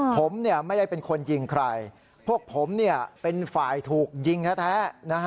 ผมไม่ได้เป็นคนยิงใครพวกผมเป็นฝ่ายถูกยิงแท้